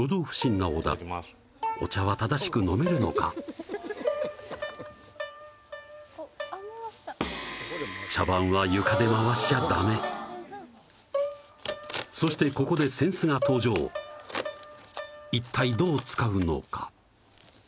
あっ回した茶碗は床で回しちゃダメそしてここで扇子が登場いったいどう使うのか？